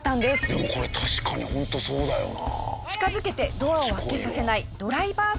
でもこれ確かにホントそうだよな。